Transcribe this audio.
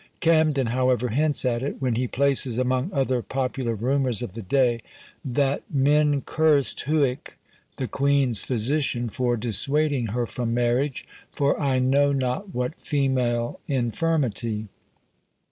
Camden, however, hints at it, when he places among other popular rumours of the day, that "men cursed Huic, the queen's physician, for dissuading her from marriage, for I know not what female infirmity."